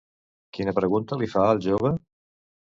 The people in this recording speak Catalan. Quina pregunta li fa al jove?